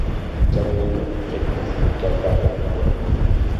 Se alimenta de insectos, que atrapa en vuelo.